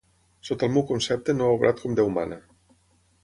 Sota el meu concepte no ha obrat com Déu mana.